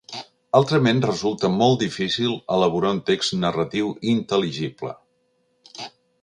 Altrament resulta molt difícil elaborar un text narratiu intel·ligible.